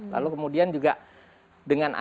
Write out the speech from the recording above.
lalu kemudian juga dengan adanya